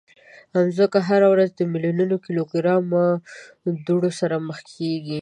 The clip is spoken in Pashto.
مځکه هره ورځ د میلیونونو کیلوګرامه دوړو سره مخ کېږي.